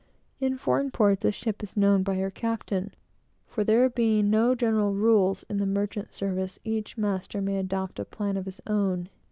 In foreign ports, a ship is known by her captain; for, there being no general rules in the merchant service, each master may adopt a plan of his own.